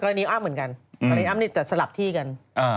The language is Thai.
กรณีอ้ามเป็นการสลับที่กัน